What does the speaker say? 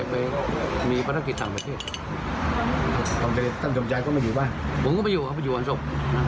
ผมก็ไม่อยู่ครับอยู่อันสก